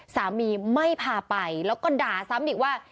สามีไม่พาไปแล้วก็ด่าซ้ำอีกว่า